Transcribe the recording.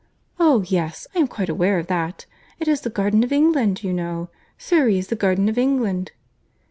"Oh! yes, I am quite aware of that. It is the garden of England, you know. Surry is the garden of England."